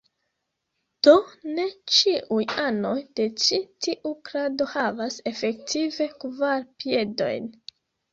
Do ne ĉiuj anoj de ĉi tiu klado havas efektive kvar piedojn.